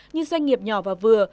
như doanh nghiệp nhỏ và vừa